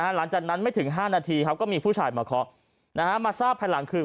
หลังจากนั้นไม่ถึง๕นาทีครับก็มีผู้ชายมาเคาะมาทราบภายหลังคือ